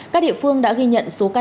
các địa phương đã ghi nhận số ca